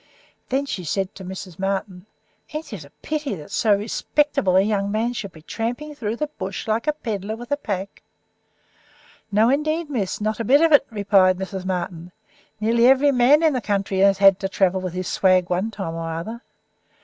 Then she said to Mrs. Martin: "Ain't it a pity that so respectable a young man should be tramping through the bush like a pedlar with a pack?" "No, indeed, miss, not a bit of it," replied Mrs. Martin; "nearly every man in the country has had to travel with his swag one time or another.